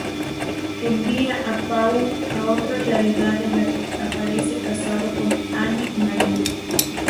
Envía a Paul a otra realidad en la que aparece casado con Anne Marie.